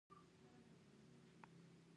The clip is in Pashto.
شل او شلګی په پښتو کې نېزې ته وایې